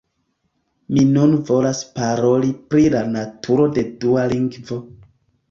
Mi nun volas paroli pri la naturo de dua lingvo.